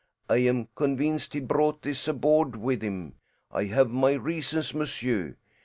I am convinced he brought this aboard with him. I have my reasons, monsieur.